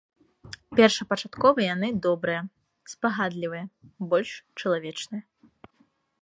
Першапачаткова яны добрыя, спагадлівыя, больш чалавечныя.